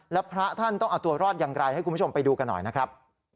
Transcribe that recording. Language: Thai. แล้วพระท่านต้องเอาตัวรอดอย่างไรให้คุณผู้ชมไปดูกันหน่อยนะครับ